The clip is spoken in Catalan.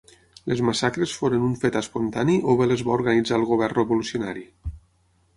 Les massacres foren un fet espontani o bé les va organitzar el govern revolucionari?